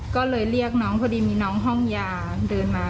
ก็เลยเรียกน้องพอดีมีน้องห้องยาเดินมา